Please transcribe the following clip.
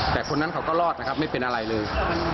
แต่คนนั้นเขาก็รอดนะครับไม่เป็นอะไรเลย